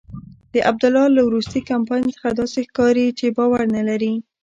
د عبدالله له وروستي کمپاین څخه داسې ښکاري چې باور نلري.